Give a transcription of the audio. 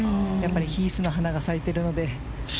ヒースの花が咲いているので。